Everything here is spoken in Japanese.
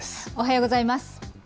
おはようございます。